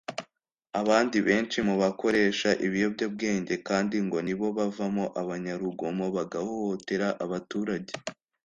Abandi benshi mu bakoresha ibiyobyabwenge kandi ngo nibo bavamo abanyarugomo bagahohotera abaturage